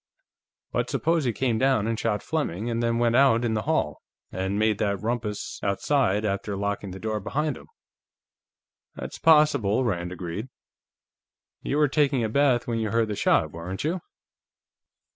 But suppose he came down and shot Fleming, and then went out in the hall, and made that rumpus outside after locking the door behind him?" "That's possible," Rand agreed. "You were taking a bath when you heard the shot, weren't you?"